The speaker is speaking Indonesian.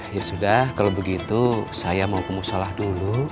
ya sudah kalau begitu saya mau kemusyalah dulu